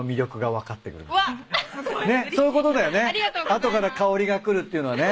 後から香りがくるっていうのはね。